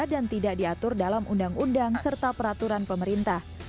dan tidak diatur dalam undang undang serta peraturan pemerintah